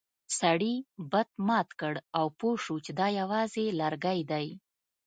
سړي بت مات کړ او پوه شو چې دا یوازې لرګی دی.